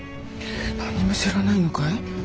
何も知らないのかい？